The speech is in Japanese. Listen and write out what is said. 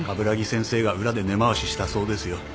鏑木先生が裏で根回ししたそうですよ。